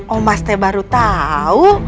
oh mas teh baru tahu